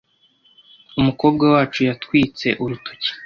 Umukobwa wacu yatwitse urutoki.